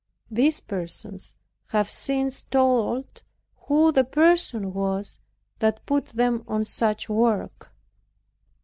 These persons have since told who the person was that put them on such work.